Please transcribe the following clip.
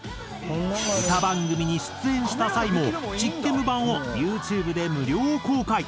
歌番組に出演した際もチッケム版をユーチューブで無料公開。